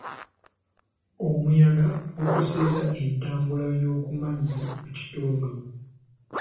Omuyaga gukosezza entambula y'oku mazzi mu kitundu.